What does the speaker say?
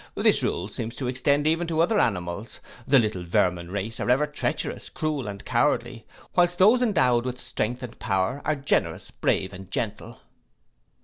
This rule seems to extend even to other animals: the little vermin race are ever treacherous, cruel, and cowardly, whilst those endowed with strength and power are generous, brave, and gentle.